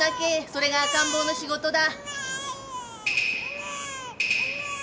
それが赤ん坊の仕事だ。